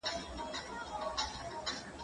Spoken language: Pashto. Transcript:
ليکنه د زده کوونکي له خوا کيږي؟